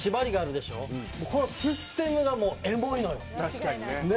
確かにね。